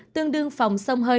tương đương phòng sông hơi